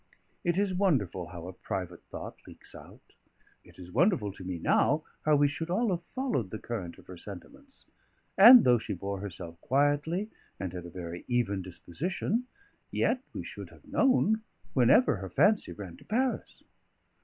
It is wonderful how a private thought leaks out; it is wonderful to me now how we should all have followed the current of her sentiments; and though she bore herself quietly, and had a very even disposition, yet we should have known whenever her fancy ran to Paris.